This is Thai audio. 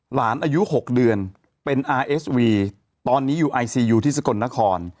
อายุ๖เดือนเป็นอาร์เอสวีตอนนี้อยู่ไอซียูที่สกลนคร